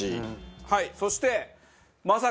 はいそして。